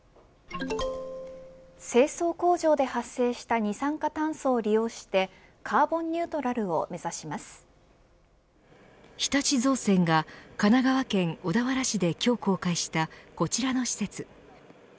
清掃工場で発生した二酸化炭素を利用してカーボンニュートラルを日立造船が神奈川県小田原市で今日公開したこちらの施設。